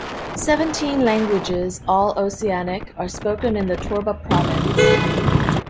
Seventeen languages, all Oceanic, are spoken in the Torba province.